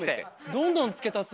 どんどん付け足す。